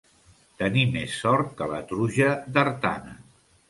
Tenir més sort que la truja d'Artana.